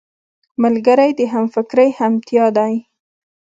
ملګری د همفکرۍ همتيا دی